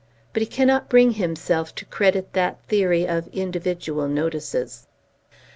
But he cannot bring himself to credit that theory of individual notices.